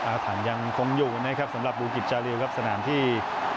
อาถรรพ์ยังคงอยู่นะครับสำหรับบูกิจจาริวครับสนามที่